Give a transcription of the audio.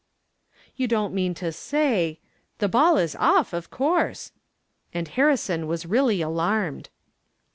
'" "You don't mean to say the ball is off, of course," and Harrison was really alarmed.